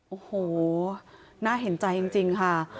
โอ้โหน่าเห็นใจจริงค่ะ